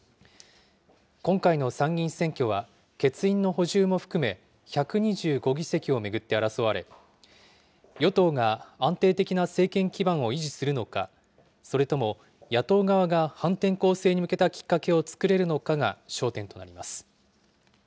今回の参議院選挙は、欠員の補充も含め、１２５議席を巡って争われ、与党が安定的な政権基盤を維持するのか、それとも野党側が反転攻勢に向けたきっかけを作れるのかが焦点となります。